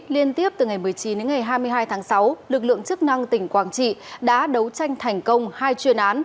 liên tiếp từ ngày một mươi chín đến ngày hai mươi hai tháng sáu lực lượng chức năng tỉnh quảng trị đã đấu tranh thành công hai chuyên án